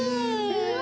うわ！